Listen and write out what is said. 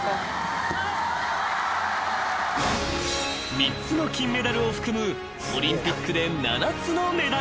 ［３つの金メダルを含むオリンピックで７つのメダル］